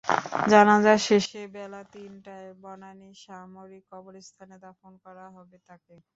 জানাজা শেষে বেলা তিনটায় বনানী সামরিক কবরস্থানে দাফন করা হবে তাঁকে।